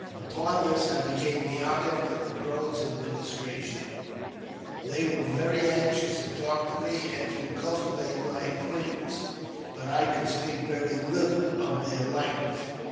Upoi this I became the object of the Crows' admiration ; they wer JAMES P. BECKWOUBTH. 127 very anxious to talk to me and to cultivate my acquaintance ; but I could speak very little of their language.